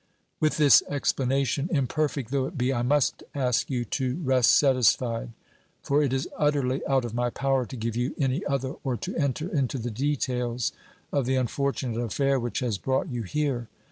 With this explanation, imperfect though it be, I must ask you to rest satisfied, for it is utterly out of my power to give you any other, or to enter into the details of the unfortunate affair which has brought you here.